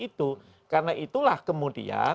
itu karena itulah kemudian